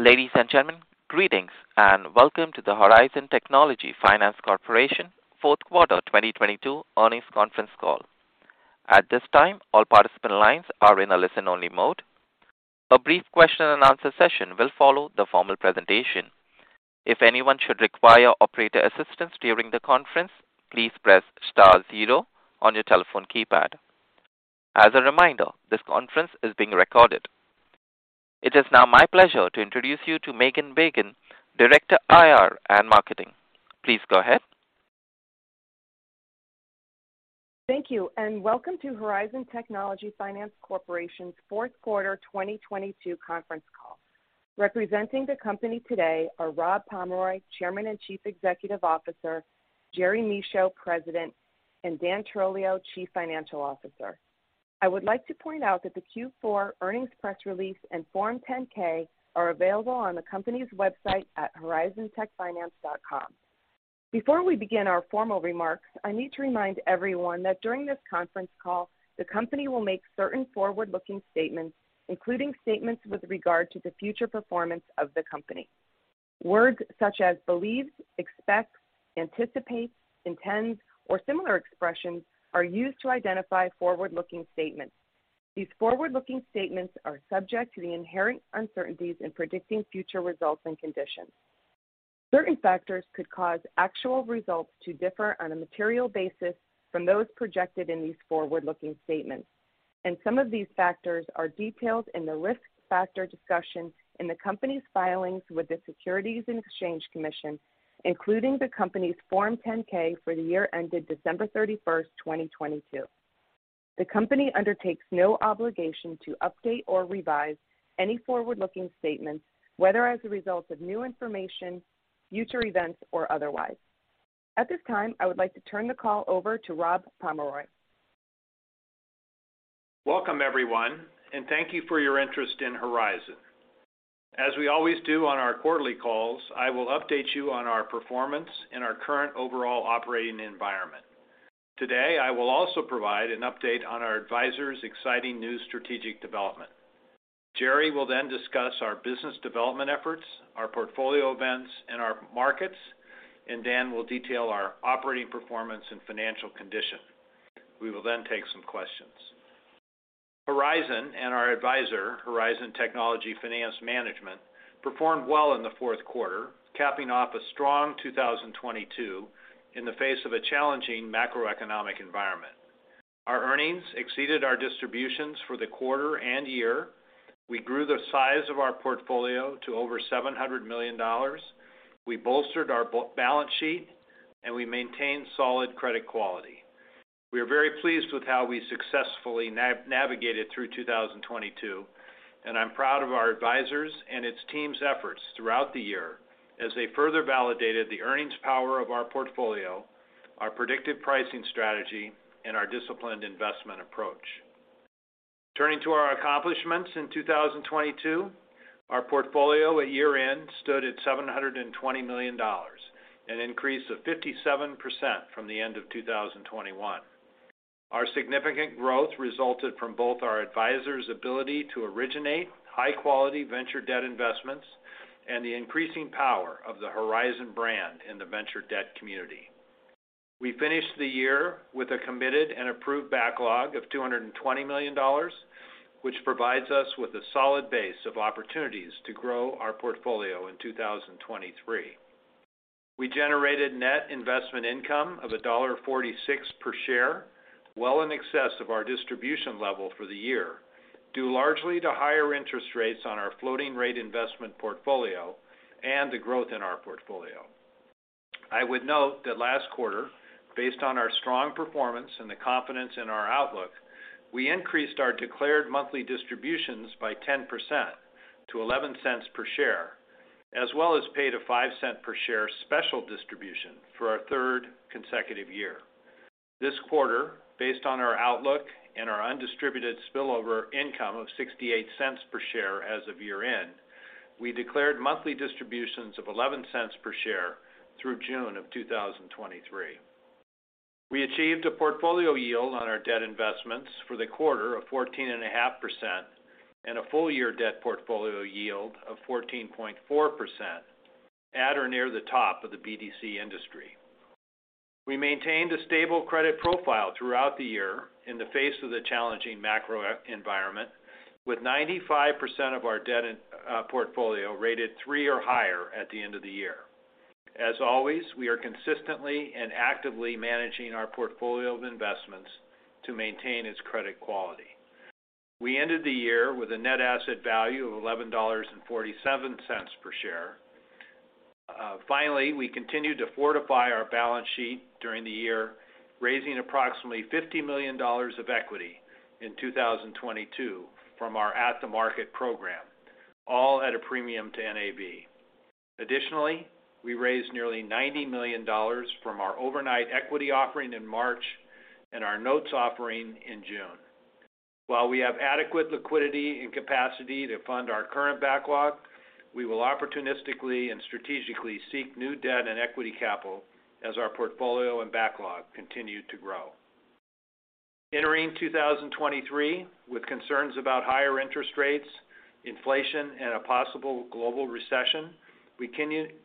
Ladies and gentlemen, greetings, and welcome to the Horizon Technology Finance Corporation Fourth Quarter 2022 Earnings Conference Call. At this time, all participant lines are in a listen-only mode. A brief question-and-answer session will follow the formal presentation. If anyone should require operator assistance during the conference, please press star zero on your telephone keypad. As a reminder, this conference is being recorded. It is now my pleasure to introduce you to Megan Bacon, Director, IR and Marketing. Please go ahead. Welcome to Horizon Technology Finance Corporation's fourth quarter 2022 conference call. Representing the company today are Rob Pomeroy, Chairman and Chief Executive Officer; Jerry Michaud, President; and Dan Trolio, Chief Financial Officer. I would like to point out that the Q4 earnings press release and Form 10-K are available on the company's website at horizontechfinance.com. Before we begin our formal remarks, I need to remind everyone that during this conference call, the company will make certain forward-looking statements, including statements with regard to the future performance of the company. Words such as believes, expects, anticipates, intends, or similar expressions are used to identify forward-looking statements. These forward-looking statements are subject to the inherent uncertainties in predicting future results and conditions. Certain factors could cause actual results to differ on a material basis from those projected in these forward-looking statements. Some of these factors are detailed in the risk factor discussion in the company's filings with the Securities and Exchange Commission, including the company's Form 10-K for the year ended December 31st, 2022. The company undertakes no obligation to update or revise any forward-looking statements, whether as a result of new information, future events, or otherwise. At this time, I would like to turn the call over to Rob Pomeroy. Welcome, everyone, and thank you for your interest in Horizon. As we always do on our quarterly calls, I will update you on our performance and our current overall operating environment. Today, I will also provide an update on our advisors' exciting new strategic development. Jerry will discuss our business development efforts, our portfolio events, and our markets, and Dan will detail our operating performance and financial condition. We will take some questions. Horizon and our advisor, Horizon Technology Finance Management, performed well in the fourth quarter, capping off a strong 2022 in the face of a challenging macroeconomic environment. Our earnings exceeded our distributions for the quarter and year. We grew the size of our portfolio to over $700 million. We bolstered our balance sheet, and we maintained solid credit quality. We are very pleased with how we successfully navigated through 2022. I'm proud of our advisors and its team's efforts throughout the year as they further validated the earnings power of our portfolio, our predictive pricing strategy, and our disciplined investment approach. Turning to our accomplishments in 2022, our portfolio at year-end stood at $720 million, an increase of 57% from the end of 2021. Our significant growth resulted from both our advisor's ability to originate high-quality venture debt investments and the increasing power of the Horizon brand in the venture debt community. We finished the year with a committed and approved backlog of $220 million, which provides us with a solid base of opportunities to grow our portfolio in 2023. We generated net investment income of $1.46 per share, well in excess of our distribution level for the year, due largely to higher interest rates on our floating rate investment portfolio and the growth in our portfolio. I would note that last quarter, based on our strong performance and the confidence in our outlook, we increased our declared monthly distributions by 10% to $0.11 per share, as well as paid a $0.05 per share special distribution for our third consecutive year. This quarter, based on our outlook and our undistributed spillover income of $0.68 per share as of year-end, we declared monthly distributions of $0.11 per share through June of 2023. We achieved a portfolio yield on our debt investments for the quarter of 14.5% and a full-year debt portfolio yield of 14.4% at or near the top of the BDC industry. We maintained a stable credit profile throughout the year in the face of the challenging macro environment with 95% of our debt in portfolio rated three or higher at the end of the year. As always, we are consistently and actively managing our portfolio of investments to maintain its credit quality. We ended the year with a net asset value of $11.47 per share. Finally, we continued to fortify our balance sheet during the year, raising approximately $50 million of equity in 2022 from our at-the-market program, all at a premium to NAV. Additionally, we raised nearly $90 million from our overnight equity offering in March and our notes offering in June. While we have adequate liquidity and capacity to fund our current backlog, we will opportunistically and strategically seek new debt and equity capital as our portfolio and backlog continue to grow. Entering 2023 with concerns about higher interest rates, inflation, and a possible global recession, we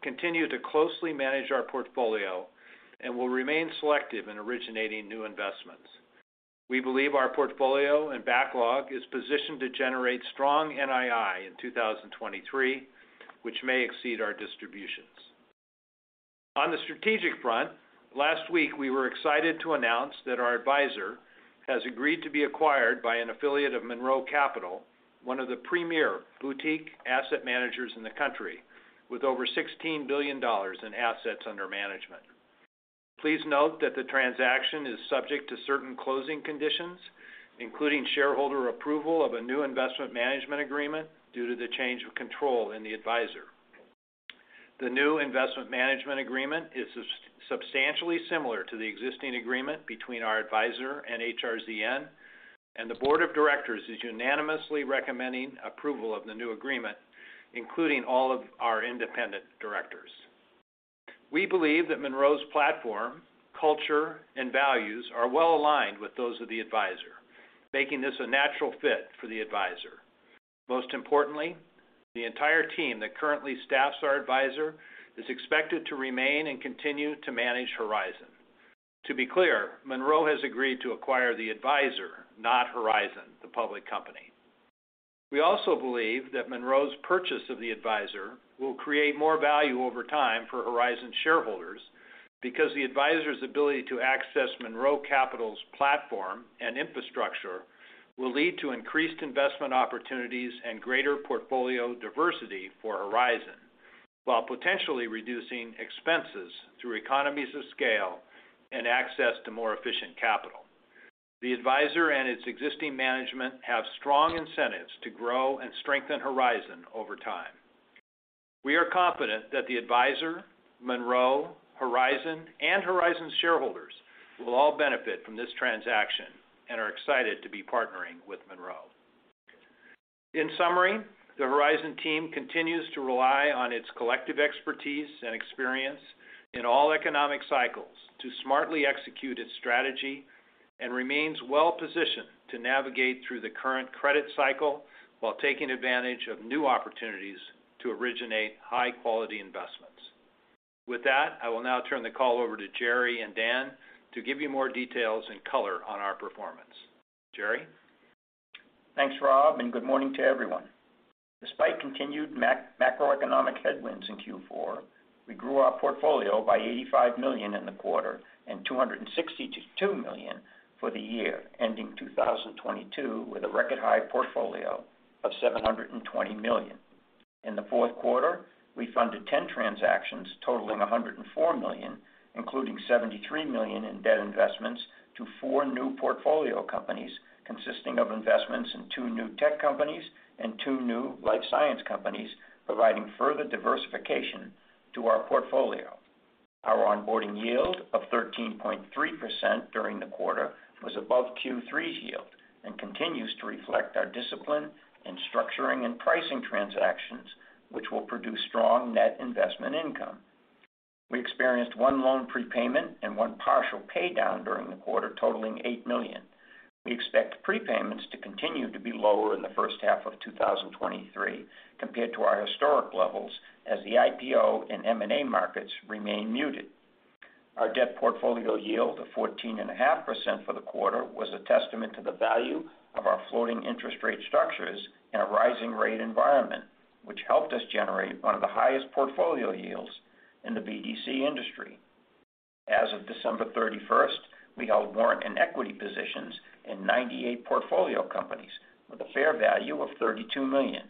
continue to closely manage our portfolio and will remain selective in originating new investments. We believe our portfolio and backlog is positioned to generate strong NII in 2023, which may exceed our distributions. On the strategic front, last week, we were excited to announce that our advisor has agreed to be acquired by an affiliate of Monroe Capital, one of the premier boutique asset managers in the country, with over $16 billion in assets under management. Please note that the transaction is subject to certain closing conditions, including shareholder approval of a new investment management agreement due to the change of control in the advisor. The new investment management agreement is substantially similar to the existing agreement between our advisor and HRZN. The board of directors is unanimously recommending approval of the new agreement, including all of our independent directors. We believe that Monroe's platform, culture, and values are well-aligned with those of the advisor, making this a natural fit for the advisor. Most importantly, the entire team that currently staffs our advisor is expected to remain and continue to manage Horizon. To be clear, Monroe has agreed to acquire the advisor, not Horizon, the public company. We also believe that Monroe's purchase of the advisor will create more value over time for Horizon shareholders because the advisor's ability to access Monroe Capital's platform and infrastructure will lead to increased investment opportunities and greater portfolio diversity for Horizon, while potentially reducing expenses through economies of scale and access to more efficient capital. The advisor and its existing management have strong incentives to grow and strengthen Horizon over time. We are confident that the advisor, Monroe, Horizon, and Horizon shareholders will all benefit from this transaction and are excited to be partnering with Monroe. In summary, the Horizon team continues to rely on its collective expertise and experience in all economic cycles to smartly execute its strategy and remains well-positioned to navigate through the current credit cycle while taking advantage of new opportunities to originate high-quality investments. With that, I will now turn the call over to Jerry and Dan to give you more details and color on our performance. Jerry? Thanks, Rob. Good morning to everyone. Despite continued macroeconomic headwinds in Q4, we grew our portfolio by $85 million in the quarter and $262 million for the year, ending 2022 with a record-high portfolio of $720 million. In the fourth quarter, we funded 10 transactions totaling $104 million, including $73 million in debt investments to four new portfolio companies, consisting of investments in two new tech companies and two new life science companies, providing further diversification to our portfolio. Our onboarding yield of 13.3% during the quarter was above Q3's yield and continues to reflect our discipline in structuring and pricing transactions which will produce strong net investment income. We experienced one loan prepayment and one partial paydown during the quarter, totaling $8 million. We expect prepayments to continue to be lower in the first half of 2023 compared to our historic levels as the IPO and M&A markets remain muted. Our debt portfolio yield of 14.5% for the quarter was a testament to the value of our floating interest rate structures in a rising rate environment, which helped us generate one of the highest portfolio yields in the BDC industry. As of December 31st, we held warrant and equity positions in 98 portfolio companies with a fair value of $32 million.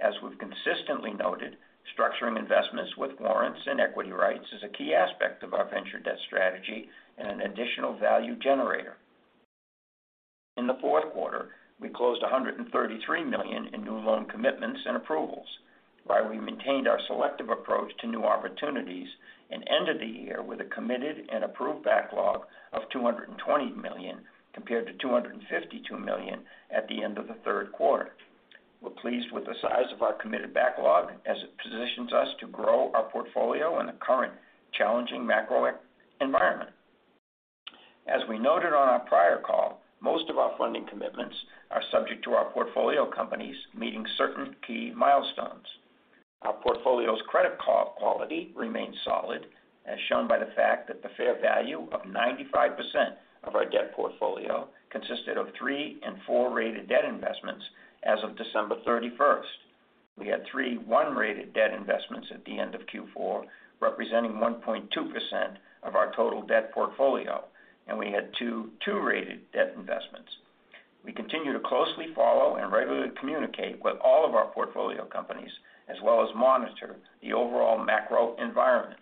As we've consistently noted, structuring investments with warrants and equity rights is a key aspect of our venture debt strategy and an additional value generator. In the fourth quarter, we closed $133 million in new loan commitments and approvals, while we maintained our selective approach to new opportunities and ended the year with a committed and approved backlog of $220 million compared to $252 million at the end of the third quarter. We're pleased with the size of our committed backlog as it positions us to grow our portfolio in the current challenging macro environment. As we noted on our prior call, most of our funding commitments are subject to our portfolio companies meeting certain key milestones. Our portfolio's credit quality remains solid, as shown by the fact that the fair value of 95% of our debt portfolio consisted of three and four-rated debt investments as of December 31st. We had three one-rated debt investments at the end of Q4, representing 1.2% of our total debt portfolio, and we had two two-rated debt investments. We continue to closely follow and regularly communicate with all of our portfolio companies, as well as monitor the overall macro environment.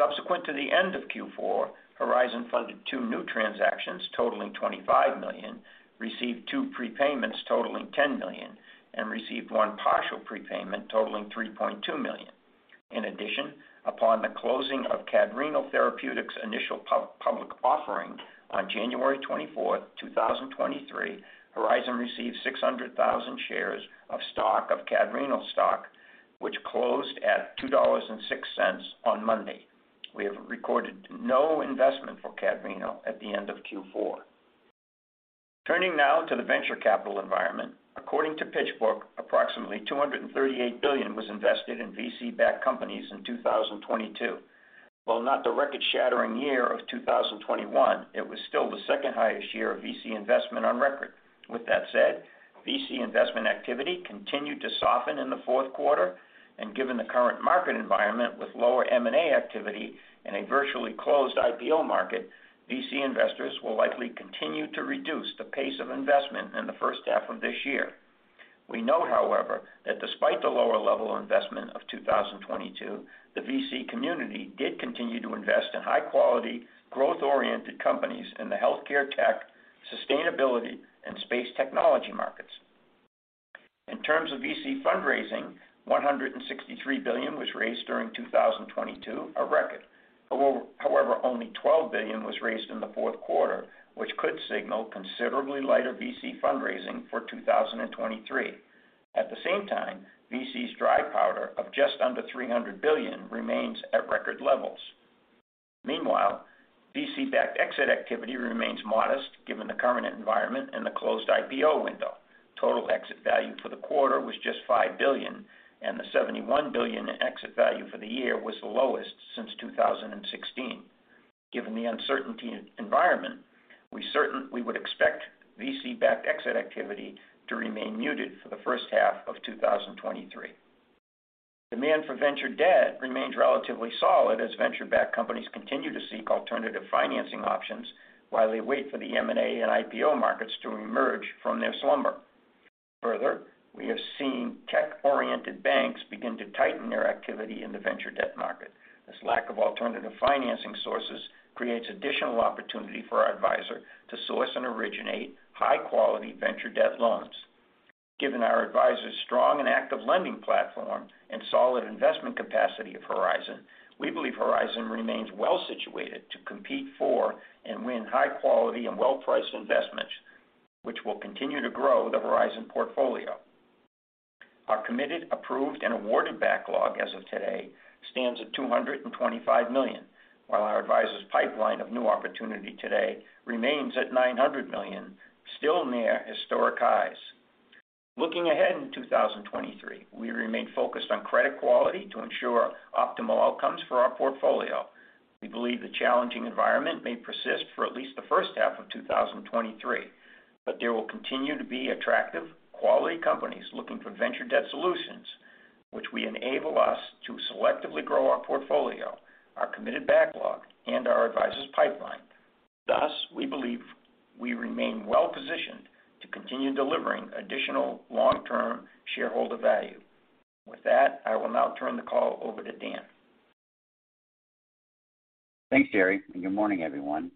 Subsequent to the end of Q4, Horizon funded two new transactions totaling $25 million, received two prepayments totaling $10 million, and received one partial prepayment totaling $3.2 million. Upon the closing of Cadrenal Therapeutics' initial public offering on January 24th, 2023, Horizon received 600,000 shares of Cadrenal stock, which closed at $2.06 on Monday. We have recorded no investment for Cadrenal at the end of Q4. Turning now to the venture capital environment. According to PitchBook, approximately $238 billion was invested in VC-backed companies in 2022. While not the record-shattering year of 2021, it was still the second highest year of VC investment on record. With that said, VC investment activity continued to soften in the fourth quarter. Given the current market environment with lower M&A activity and a virtually closed IPO market, VC investors will likely continue to reduce the pace of investment in the first half of this year. We know, however, that despite the lower level investment of 2022, the VC community did continue to invest in high quality, growth-oriented companies in the healthcare tech, sustainability, and space technology markets. In terms of VC fundraising, $163 billion was raised during 2022, a record. Only $12 billion was raised in the fourth quarter, which could signal considerably lighter VC fundraising for 2023. At the same time, VC's dry powder of just under $300 billion remains at record levels. Meanwhile, VC-backed exit activity remains modest given the current environment and the closed IPO window. Total exit value for the quarter was just $5 billion, the $71 billion exit value for the year was the lowest since 2016. Given the uncertainty environment, we would expect VC-backed exit activity to remain muted for the first half of 2023. Demand for venture debt remains relatively solid as venture-backed companies continue to seek alternative financing options while they wait for the M&A and IPO markets to emerge from their slumber. Further, we have seen tech-oriented banks begin to tighten their activity in the venture debt market. This lack of alternative financing sources creates additional opportunity for our advisor to source and originate high-quality venture debt loans. Given our advisor's strong and active lending platform and solid investment capacity of Horizon, we believe Horizon remains well situated to compete for and win high quality and well-priced investments, which will continue to grow the Horizon portfolio. Our committed, approved, and awarded backlog as of today stands at $225 million, while our advisor's pipeline of new opportunity today remains at $900 million, still near historic highs. Looking ahead in 2023, we remain focused on credit quality to ensure optimal outcomes for our portfolio. We believe the challenging environment may persist for at least the first half of 2023. There will continue to be attractive, quality companies looking for venture debt solutions, which we enable us to selectively grow our portfolio, our committed backlog, and our advisor's pipeline. Thus, we believe we remain well-positioned to continue delivering additional long-term shareholder value. With that, I will now turn the call over to Dan. Thanks, Jerry, and good morning, everyone.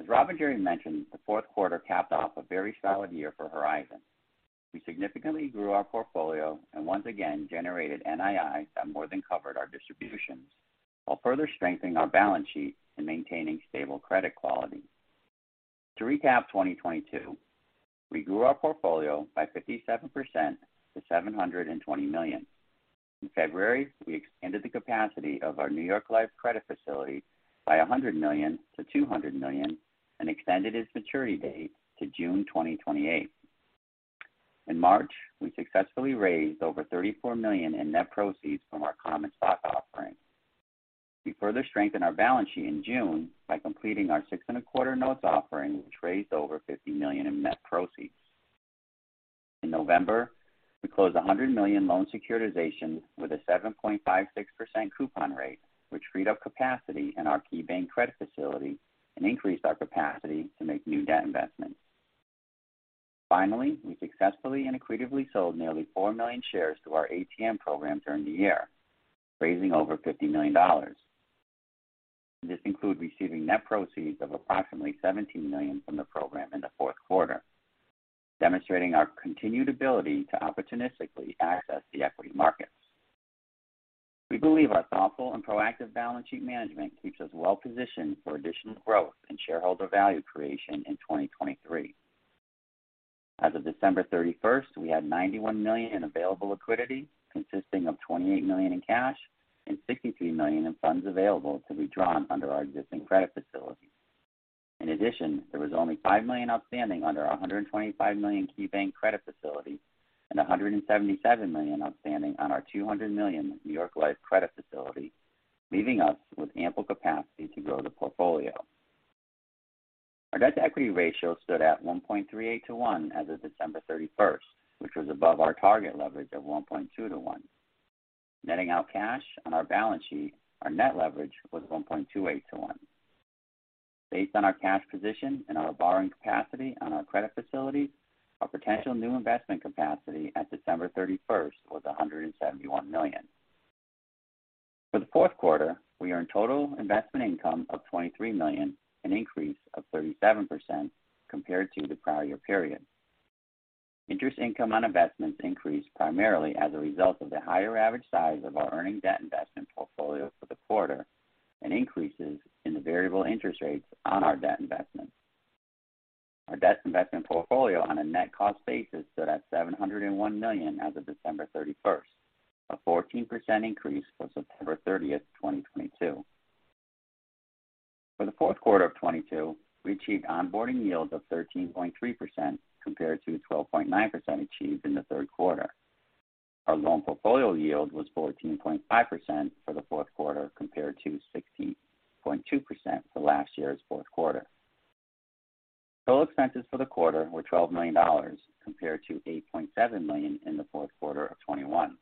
As Rob and Jerry mentioned, the fourth quarter capped off a very solid year for Horizon. We significantly grew our portfolio and once again generated NII that more than covered our distributions while further strengthening our balance sheet and maintaining stable credit quality. To recap 2022, we grew our portfolio by 57% to $720 million. In February, we extended the capacity of our New York Life credit facility by $100 million-$200 million and extended its maturity date to June 2028. In March, we successfully raised over $34 million in net proceeds from our common stock offering. We further strengthened our balance sheet in June by completing our 6.25% Notes offering, which raised over $50 million in net proceeds. In November, we closed a $100 million loan securitization with a 7.56% coupon rate, which freed up capacity in our KeyBank credit facility and increased our capacity to make new debt investments. We successfully and accretively sold nearly 4 million shares through our ATM program during the year, raising over $50 million. This include receiving net proceeds of approximately $17 million from the program in the fourth quarter, demonstrating our continued ability to opportunistically access the equity markets. We believe our thoughtful and proactive balance sheet management keeps us well positioned for additional growth and shareholder value creation in 2023. As of December 31st, we had $91 million in available liquidity, consisting of $28 million in cash and $63 million in funds available to be drawn under our existing credit facility. In addition, there was only $5 million outstanding under our $125 million KeyBank credit facility and $177 million outstanding on our $200 million New York Life credit facility, leaving us with ample capacity to grow the portfolio. Our debt-to-equity ratio stood at 1.38/1 as of December 31st, which was above our target leverage of 1.2/1. Netting out cash on our balance sheet, our net leverage was 1.28/1. Based on our cash position and our borrowing capacity on our credit facility, our potential new investment capacity at December 31st was $171 million. For the fourth quarter, we earned total investment income of $23 million, an increase of 37% compared to the prior year period. Interest income on investments increased primarily as a result of the higher average size of our earning debt investment portfolio for the quarter and increases in the variable interest rates on our debt investments. Our debt investment portfolio on a net cost basis stood at $701 million as of December 31st, a 14% increase from September 30th, 2022. For the fourth quarter of 2022, we achieved onboarding yields of 13.3% compared to 12.9% achieved in the third quarter. Our loan portfolio yield was 14.5% for the fourth quarter compared to 16.2% for last year's fourth quarter. Total expenses for the quarter were $12 million compared to $8.7 million in the fourth quarter of 2021.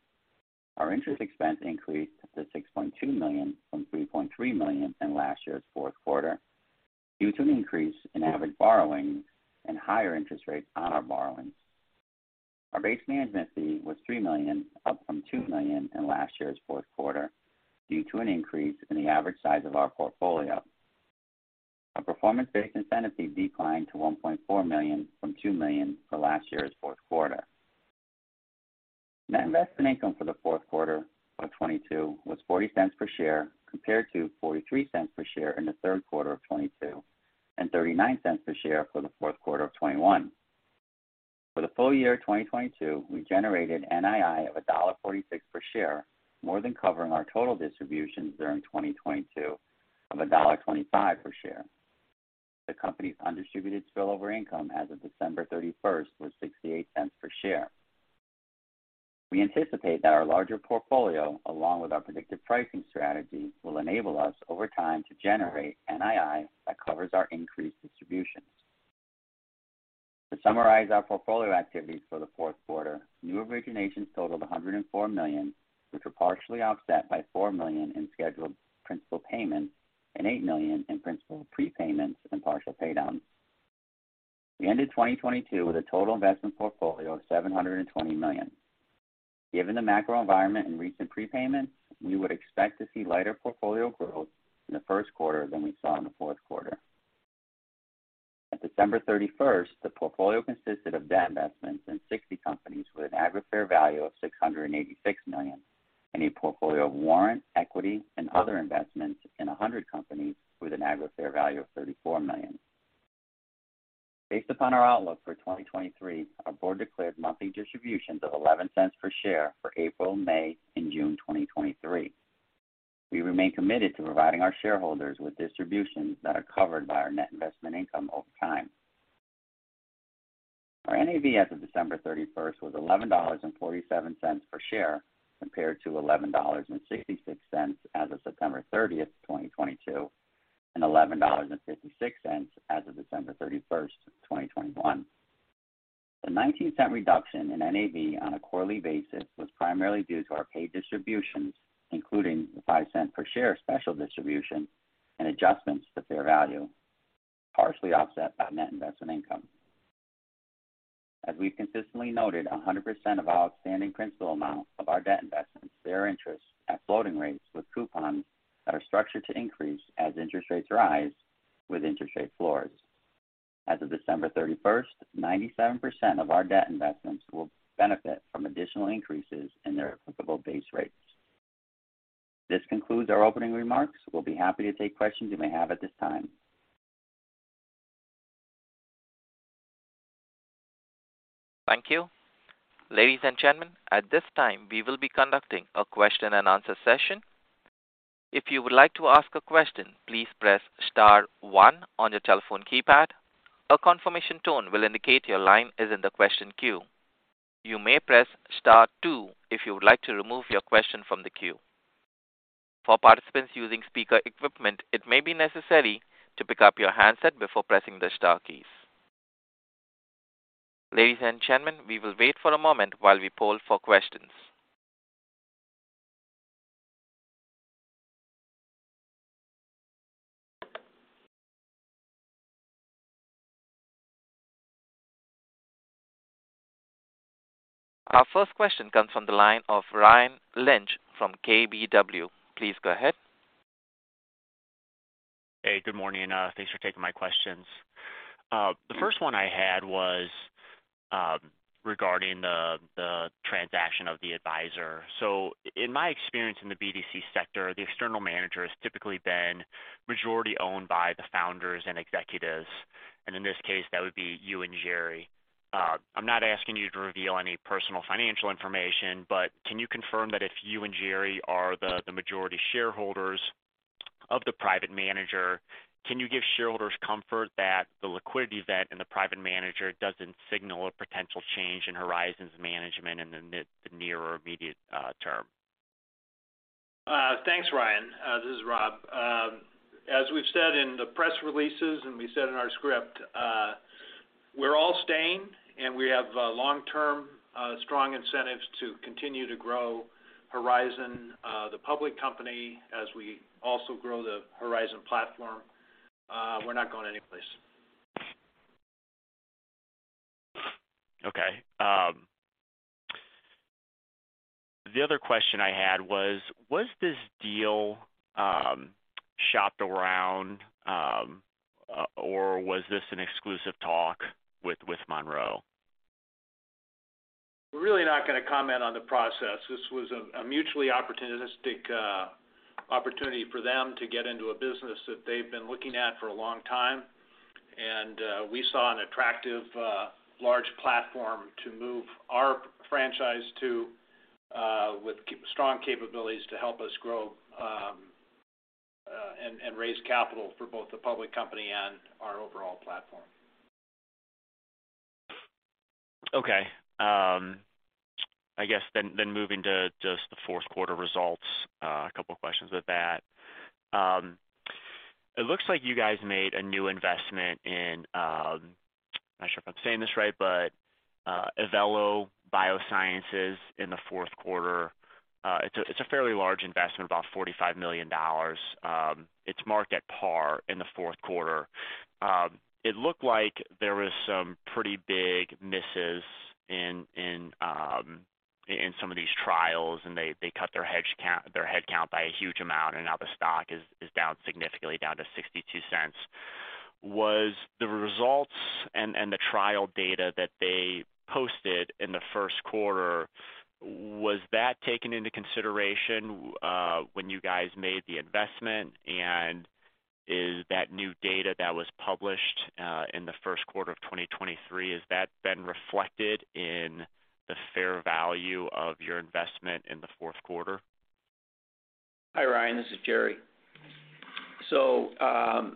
Our interest expense increased to $6.2 million from $3.3 million in last year's fourth quarter due to an increase in average borrowing and higher interest rates on our borrowings. Our base management fee was $3 million, up from $2 million in last year's fourth quarter, due to an increase in the average size of our portfolio. Our performance-based incentive fee declined to $1.4 million from $2 million for last year's fourth quarter. Net investment income for the fourth quarter of 2022 was $0.40 per share compared to $0.43 per share in the third quarter of 2022 and $0.39 per share for the fourth quarter of 2021. For the full year of 2022, we generated NII of $1.46 per share, more than covering our total distributions during 2022 of $1.25 per share. The company's undistributed spillover income as of December 31st was $0.68 per share. We anticipate that our larger portfolio, along with our predictive pricing strategy, will enable us, over time, to generate NII that covers our increased distributions. To summarize our portfolio activities for the fourth quarter, new originations totaled $104 million, which were partially offset by $4 million in scheduled principal payments and $8 million in principal prepayments and partial paydowns. We ended 2022 with a total investment portfolio of $720 million. Given the macro environment and recent prepayments, we would expect to see lighter portfolio growth in the first quarter than we saw in the fourth quarter. At December 31st, the portfolio consisted of debt investments in 60 companies with an aggregate fair value of $686 million, and a portfolio of warrant, equity, and other investments in 100 companies with an aggregate fair value of $34 million. Based upon our outlook for 2023, our board declared monthly distributions of $0.11 per share for April, May, and June 2023. We remain committed to providing our shareholders with distributions that are covered by our net investment income over time. Our NAV as of December 31st was $11.47 per share compared to $11.66 as of September 30th, 2022, and $11.56 as of December 31st, 2021. The $0.19 reduction in NAV on a quarterly basis was primarily due to our paid distributions, including the $0.05 per share special distribution and adjustments to fair value, partially offset by net investment income. As we've consistently noted, 100% of our outstanding principal amount of our debt investments bear interest at floating rates with coupons that are structured to increase as interest rates rise with interest rate floors. As of December 31st, 97% of our debt investments will benefit from additional increases in their applicable base rates. This concludes our opening remarks. We'll be happy to take questions you may have at this time. Thank you. Ladies and gentlemen, at this time, we will be conducting a question-and-answer session. If you would like to ask a question, please press star one on your telephone keypad. A confirmation tone will indicate your line is in the question queue. You may press star two if you would like to remove your question from the queue. For participants using speaker equipment, it may be necessary to pick up your handset before pressing the star keys. Ladies and gentlemen, we will wait for a moment while we poll for questions. Our first question comes from the line of Ryan Lynch from KBW. Please go ahead. Good morning. Thanks for taking my questions. The first one I had was regarding the transaction of the advisor. In my experience in the BDC sector, the external manager has typically been majority-owned by the founders and executives. In this case, that would be you and Jerry. I'm not asking you to reveal any personal financial information, can you confirm that if you and Jerry are the majority shareholders of the private manager, can you give shareholders comfort that the liquidity event in the private manager doesn't signal a potential change in Horizon's management in the near or immediate term? Thanks, Ryan. This is Rob. As we've said in the press releases and we said in our script, we're all staying and we have long-term strong incentives to continue to grow Horizon, the public company, as we also grow the Horizon platform. We're not going anyplace. Okay. The other question I had was this deal shopped around, or was this an exclusive talk with Monroe? We're really not gonna comment on the process. This was a mutually opportunistic, opportunity for them to get into a business that they've been looking at for a long time. We saw an attractive, large platform to move our franchise to Keep strong capabilities to help us grow, and raise capital for both the public company and our overall platform. Moving to just the fourth quarter results, a couple questions with that. It looks like you guys made a new investment in Evelo Biosciences in the fourth quarter. It's a fairly large investment, about $45 million. It's marked at par in the fourth quarter. It looked like there was some pretty big misses in some of these trials, and they cut their headcount by a huge amount, and now the stock is down significantly, down to $0.62. Was the results and the trial data that they posted in the first quarter, was that taken into consideration when you guys made the investment? Is that new data that was published in the first quarter of 2023, has that been reflected in the fair value of your investment in the fourth quarter? Hi, Ryan. This is Jerry. Evelo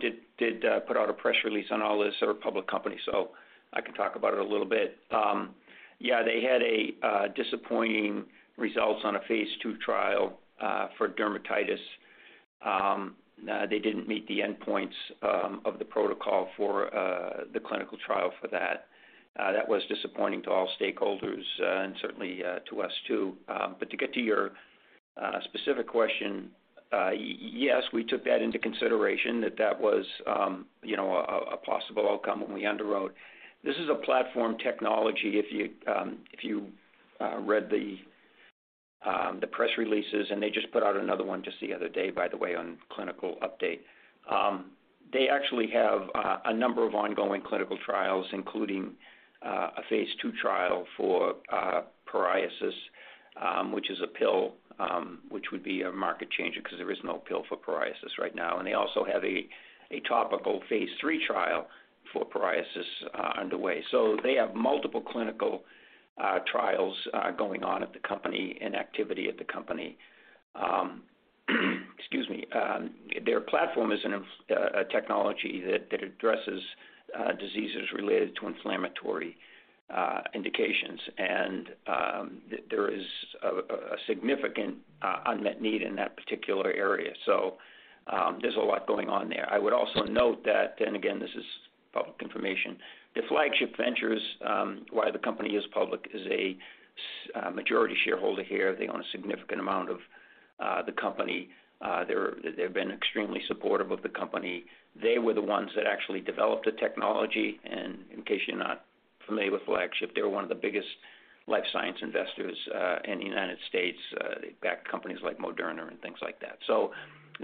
did put out a press release on all this. They're a public company, I can talk about it a little bit. They had disappointing results on a phase II trial for dermatitis, they didn't meet the endpoints of the protocol for the clinical trial for that. That was disappointing to all stakeholders, and certainly to us too. To get to your specific question, yes, we took that into consideration that that was, you know, a possible outcome when we underwrote. This is a platform technology, if you read the press releases, and they just put out another one just the other day, by the way, on clinical update. They actually have a number of ongoing clinical trials, including a phase II trial for psoriasis, which is a pill, which would be a market changer because there is no pill for psoriasis right now. They also have a topical phase III trial for psoriasis underway. They have multiple clinical trials going on at the company and activity at the company. Excuse me. Their platform is a technology that addresses diseases related to inflammatory indications. There is a significant unmet need in that particular area. There's a lot going on there. I would also note that, and again, this is public information, Flagship Pioneering, why the company is public, is a majority shareholder here. They own a significant amount of the company. They've been extremely supportive of the company. They were the ones that actually developed the technology. In case you're not familiar with Flagship, they're one of the biggest life science investors in the United States. They back companies like Moderna and things like that.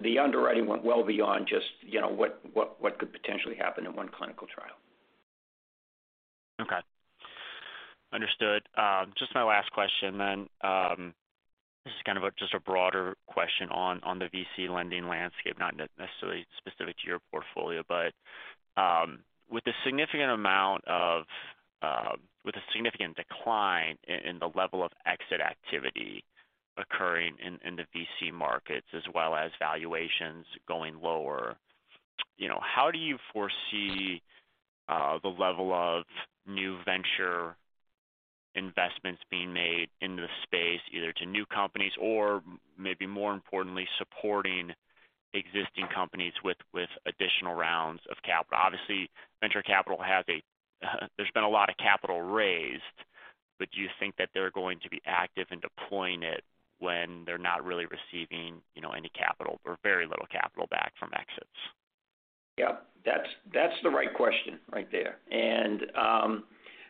The underwriting went well beyond just, you know, what could potentially happen in one clinical trial. Okay. Understood. Just my last question. This is kind of a, just a broader question on the VC lending landscape, not necessarily specific to your portfolio. With a significant decline in the level of exit activity occurring in the VC markets as well as valuations going lower, you know, how do you foresee the level of new venture investments being made into the space, either to new companies or maybe more importantly, supporting existing companies with additional rounds of capital? Obviously, venture capital has a, there's been a lot of capital raised, do you think that they're going to be active in deploying it when they're not really receiving, you know, any capital or very little capital back from exits? Yeah. That's the right question right there.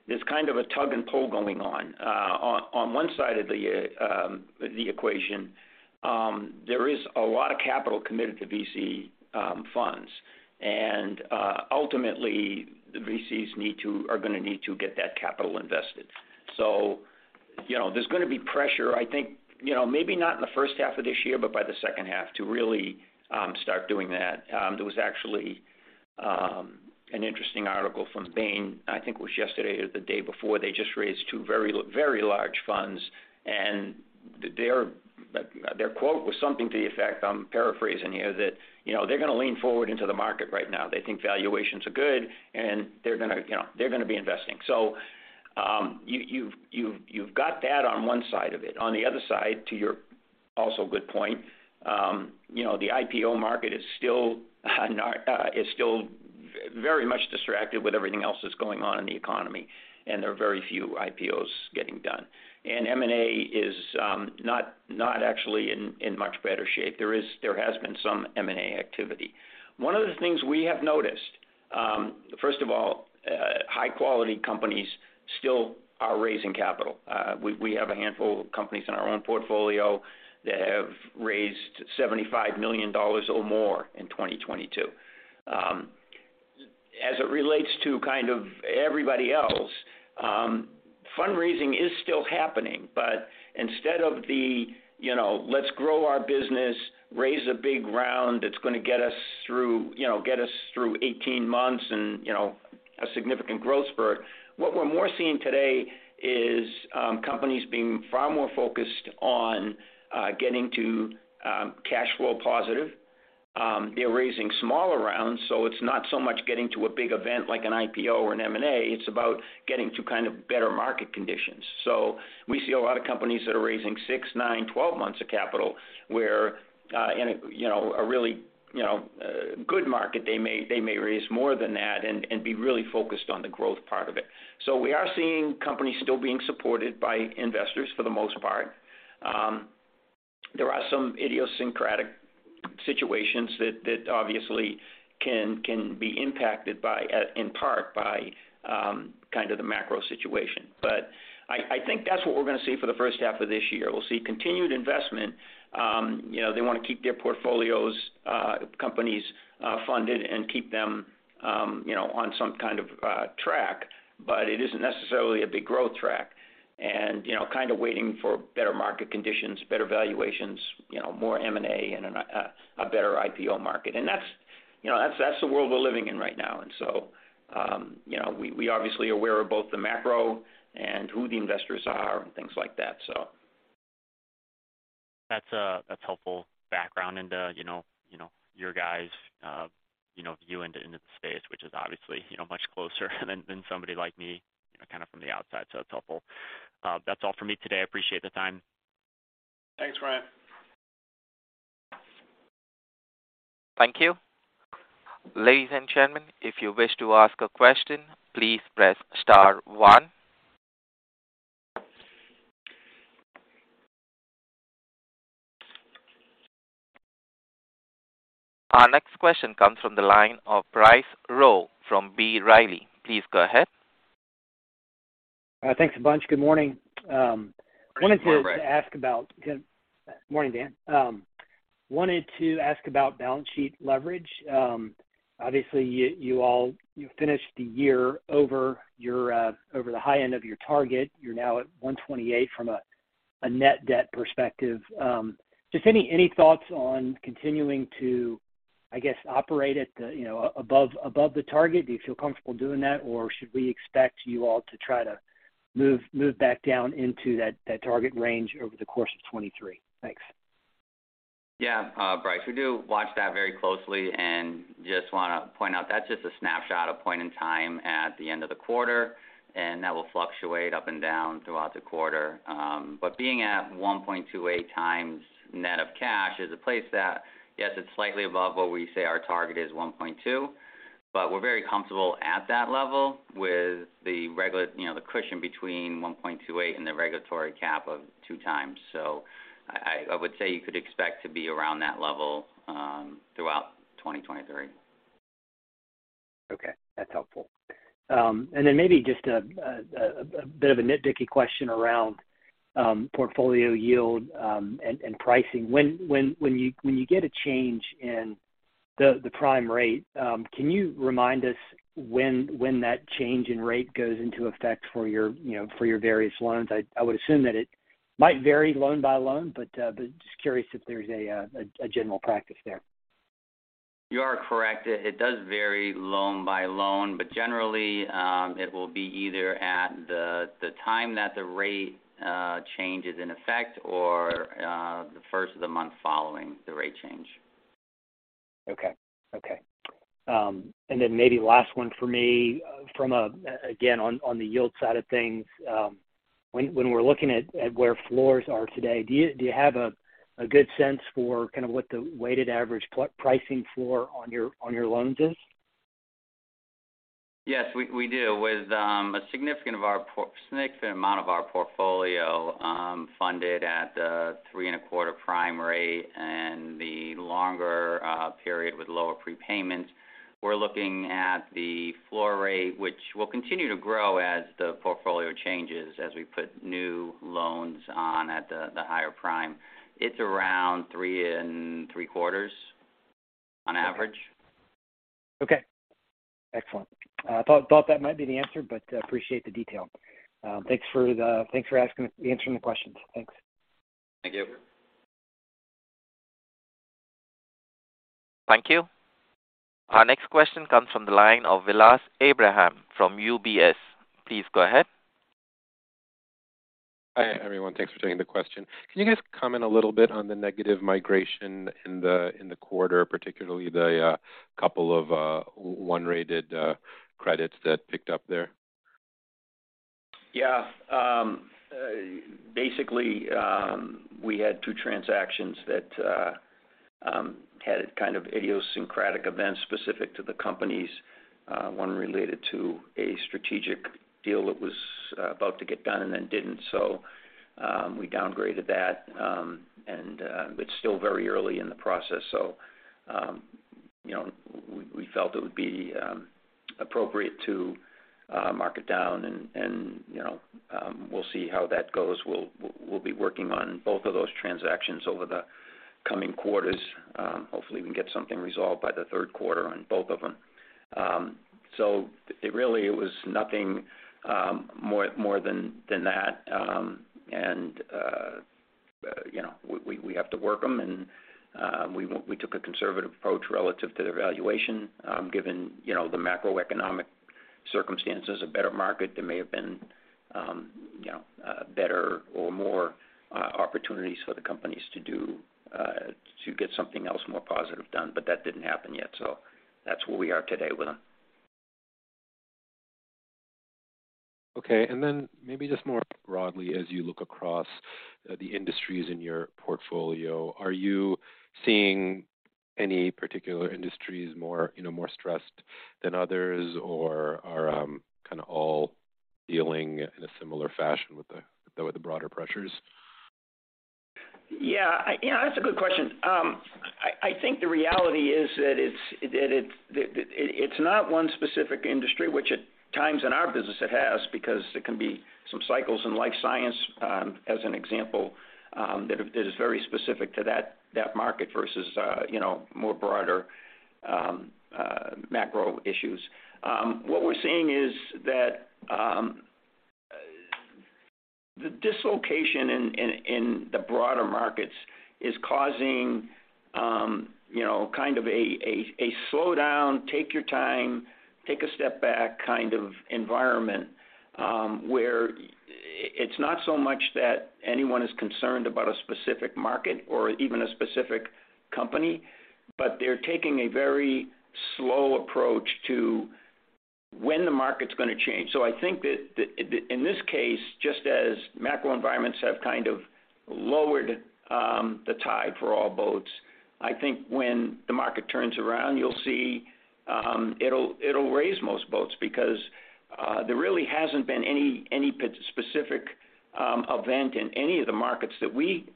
There's kind of a tug and pull going on. On one side of the equation, there is a lot of capital committed to VC funds. Ultimately, the VCs are gonna need to get that capital invested. You know, there's gonna be pressure, I think, you know, maybe not in the first half of this year, but by the second half to really start doing that. There was actually an interesting article from Bain, I think it was yesterday or the day before. They just raised 2 very large funds, and their quote was something to the effect, I'm paraphrasing here, that, you know, they're gonna lean forward into the market right now. They think valuations are good, and they're gonna, you know, they're gonna be investing. You've got that on one side of it. On the other side, to your also good point, you know, the IPO market is still not very much distracted with everything else that's going on in the economy, and there are very few IPOs getting done. M&A is not actually in much better shape. There has been some M&A activity. One of the things we have noticed, first of all, high-quality companies still are raising capital. We have a handful of companies in our own portfolio that have raised $75 million or more in 2022. As it relates to kind of everybody else, fundraising is still happening. Instead of the, you know, let's grow our business, raise a big round that's gonna get us through, you know, get us through 18 months and, you know. A significant growth spurt. What we're more seeing today is, companies being far more focused on, getting to, cash flow positive. They're raising smaller rounds, it's not so much getting to a big event like an IPO or an M&A, it's about getting to kind of better market conditions. We see a lot of companies that are raising 6, 9, 12 months of capital, where, in a, you know, a really, you know, good market, they may raise more than that and be really focused on the growth part of it. We are seeing companies still being supported by investors for the most part. There are some idiosyncratic situations that obviously can be impacted by, in part by, kind of the macro situation. I think that's what we're gonna see for the first half of this year. We'll see continued investment. You know, they wanna keep their portfolios, companies, funded and keep them, you know, on some kind of track, but it isn't necessarily a big growth track. You know, kind of waiting for better market conditions, better valuations, you know, more M&A and a better IPO market. That's, you know, that's the world we're living in right now. You know, we obviously are aware of both the macro and who the investors are and things like that, so. That's helpful background into, you know, your guys' view into the space, which is obviously, you know, much closer than somebody like me, you know, kind of from the outside. It's helpful. That's all for me today. I appreciate the time. Thanks, Ryan. Thank you. Ladies and gentlemen, if you wish to ask a question, please press star one. Our next question comes from the line of Bryce Rowe from B. Riley. Please go ahead. Thanks a bunch. Good morning. Good morning, Bryce. Good Morning, Dan. Wanted to ask about balance sheet leverage. Obviously, you all, you finished the year over your over the high end of your target. You're now at 128 from a net debt perspective. Just any thoughts on continuing to, I guess, operate at the, you know, above the target? Do you feel comfortable doing that, or should we expect you all to try to move back down into that target range over the course of 2023? Thanks. Bryce, we do watch that very closely and just want to point out that's just a snapshot of point in time at the end of the quarter, and that will fluctuate up and down throughout the quarter. Being at 1.28x net of cash is a place that, yes, it's slightly above what we say our target is, 1.2x, but we're very comfortable at that level with the you know, the cushion between 1.28x and the regulatory cap of 2x. I would say you could expect to be around that level throughout 2023. Okay, that's helpful. Maybe just a bit of a nitpicky question around portfolio yield and pricing. When you get a change in the prime rate, can you remind us when that change in rate goes into effect for your, you know, for your various loans? I would assume that it might vary loan by loan, but just curious if there's a general practice there. You are correct. It does vary loan by loan, but generally, it will be either at the time that the rate change is in effect or the first of the month following the rate change. Okay. maybe last one for me again, on the yield side of things. when we're looking at where floors are today, do you have a good sense for kind of what the weighted average pricing floor on your loans is? Yes, we do. With a significant amount of our portfolio, funded at a 3.25 prime rate and the longer period with lower prepayments, we're looking at the floor rate, which will continue to grow as the portfolio changes as we put new loans on at the higher prime. It's around 3.75 on average. Okay. Excellent. Thought that might be the answer, but, appreciate the detail. Thanks for answering the questions. Thanks. Thank you. Thank you. Our next question comes from the line of Vilas Abraham from UBS. Please go ahead. Hi, everyone. Thanks for taking the question. Can you guys comment a little bit on the negative migration in the quarter, particularly the couple of one rated credits that picked up there? Yeah. Basically, we had two transactions that had kind of idiosyncratic events specific to the companies. One related to a strategic deal that was about to get done and then didn't. We downgraded that, and but still very early in the process. You know, we felt it would be appropriate to mark it down and, you know, we'll see how that goes. We'll be working on both of those transactions over the coming quarters. Hopefully, we can get something resolved by the third quarter on both of them. It really was nothing, more than that. You know, we have to work them, and we took a conservative approach relative to the valuation, given, you know, the macroeconomic circumstances, a better market, there may have been, you know, better or more opportunities for the companies to do to get something else more positive done, but that didn't happen yet. That's where we are today with them. Okay. Maybe just more broadly, as you look across the industries in your portfolio, are you seeing any particular industries more, you know, more stressed than others? Or are kind of all dealing in a similar fashion with the broader pressures? That's a good question. I think the reality is that it's not one specific industry, which at times in our business it has, because there can be some cycles in life science, as an example, that is very specific to that market versus, you know, more broader macro issues. What we're seeing is that the dislocation in the broader markets is causing, you know, kind of a slowdown, take your time, take a step back kind of environment, where it's not so much that anyone is concerned about a specific market or even a specific company, but they're taking a very slow approach to when the market's going to change. I think that in this case, just as macro environments have kind of lowered the tide for all boats, I think when the market turns around, you'll see it'll raise most boats because there really hasn't been any specific event in any of the markets that we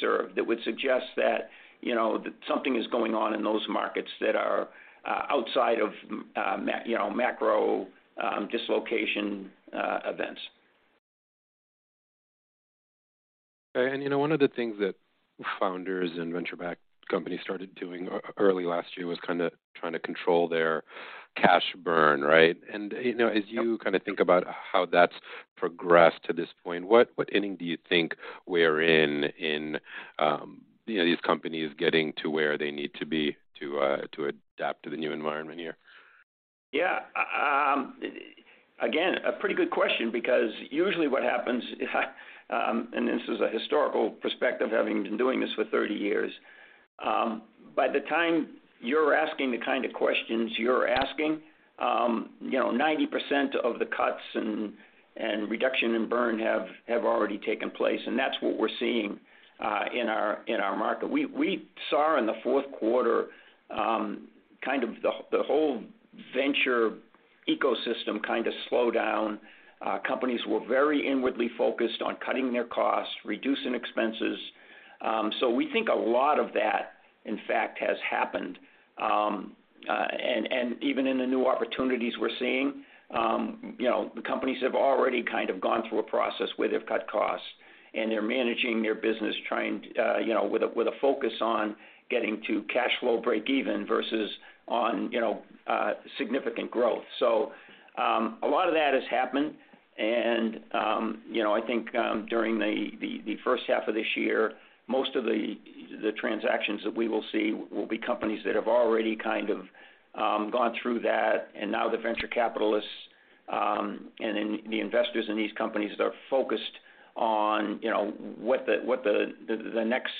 serve that would suggest that, you know, that something is going on in those markets that are outside of, you know, macro dislocation events. You know, one of the things that founders and venture-backed companies started doing early last year was kinda trying to control their cash burn, right? You know, as you kinda think about how that's progressed to this point, what inning do you think we're in, you know, these companies getting to where they need to be to adapt to the new environment here? Yeah. Again, a pretty good question because usually what happens, and this is a historical perspective, having been doing this for 30 years. By the time you're asking the kind of questions you're asking, you know, 90% of the cuts and reduction in burn have already taken place. That's what we're seeing in our market. We saw in the fourth quarter, kind of the whole venture ecosystem kind of slow down. Companies were very inwardly focused on cutting their costs, reducing expenses. We think a lot of that, in fact, has happened. And even in the new opportunities we're seeing, you know, the companies have already kind of gone through a process where they've cut costs, and they're managing their business trying to, you know, with a focus on getting to cash flow break even versus on, you know, significant growth. A lot of that has happened, and, you know, I think, during the first half of this year, most of the transactions that we will see will be companies that have already kind of gone through that. Now the venture capitalists, and the investors in these companies are focused on, you know, what the next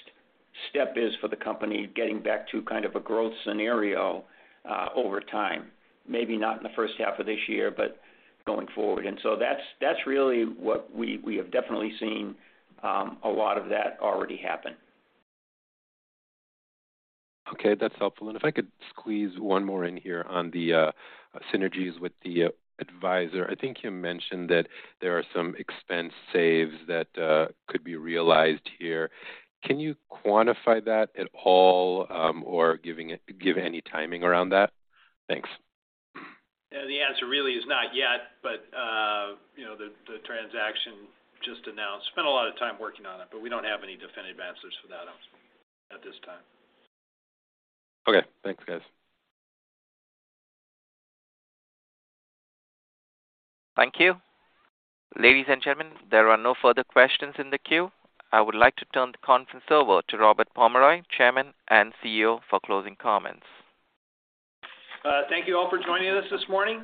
step is for the company, getting back to kind of a growth scenario over time. Maybe not in the first half of this year, but going forward. That's really what we have definitely seen, a lot of that already happen. Okay. That's helpful. If I could squeeze one more in here on the synergies with the advisor. I think you mentioned that there are some expense saves that could be realized here. Can you quantify that at all? Or give any timing around that? Thanks. Yeah, the answer really is not yet. You know, the transaction just announced. Spent a lot of time working on it. We don't have any definitive answers for that at this time. Okay. Thanks, guys. Thank you. Ladies and gentlemen, there are no further questions in the queue. I would like to turn the conference over to Robert Pomeroy, Chairman and CEO, for closing comments. Thank you all for joining us this morning.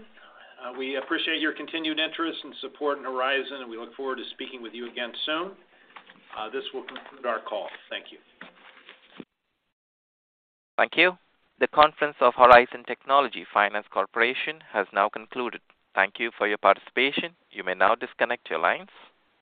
We appreciate your continued interest and support in Horizon, and we look forward to speaking with you again soon. This will conclude our call. Thank you. Thank you. The conference of Horizon Technology Finance Corporation has now concluded. Thank you for your participation. You may now disconnect your lines.